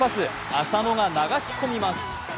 浅野が流し込みます。